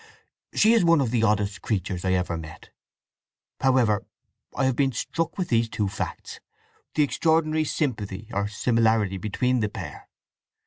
She is one of the oddest creatures I ever met. However, I have been struck with these two facts; the extraordinary sympathy, or similarity, between the pair.